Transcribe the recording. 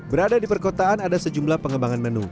berada di perkotaan ada sejumlah pengembangan menu